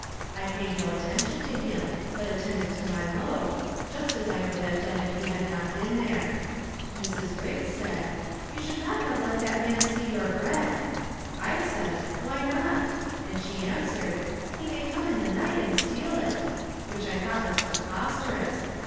I paid no attention to him but attended to my loaf, just as I would have done if he had not been there. Mrs. Riggs said, "You should not have let that man see your bread." I said, "Why not," and she answered, "He may come in the night and steal it," which I thought was preposterous.